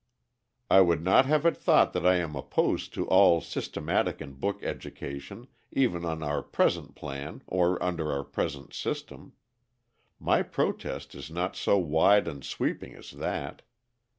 ] I would not have it thought that I am opposed to all systematic and book education, even on our present plan or under our present system. My protest is not so wide and sweeping as that.